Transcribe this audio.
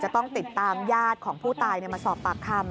จะต้องติดตามญาติภูตายมาสอบปากคำ